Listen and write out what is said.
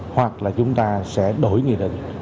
hoặc là chúng ta sẽ đổi nghị định